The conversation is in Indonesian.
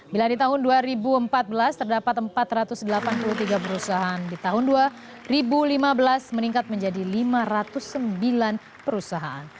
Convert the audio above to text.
bila di tahun dua ribu empat belas terdapat empat ratus delapan puluh tiga perusahaan di tahun dua ribu lima belas meningkat menjadi lima ratus sembilan perusahaan